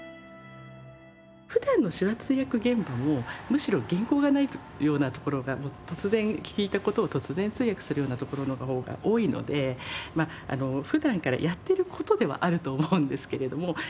普段の手話通訳現場もむしろ原稿がないようなところが突然聞いた事を突然通訳するようなところの方が多いので普段からやってる事ではあると思うんですけれども。